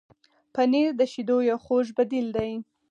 پنېر د شیدو یو خوږ بدیل دی.